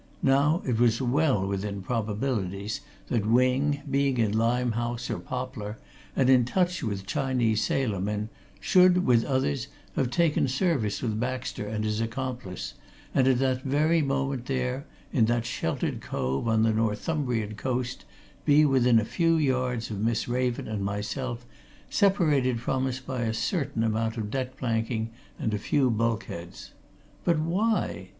Now it was well within probabilities that Wing, being in Limehouse or Poplar, and in touch with Chinese sailor men, should, with others, have taken service with Baxter and his accomplice, and, at that very moment there, in that sheltered cove on the Northumbrian coast, be within a few yards of Miss Raven and myself, separated from us by a certain amount of deck planking and a few bulkheads. But why?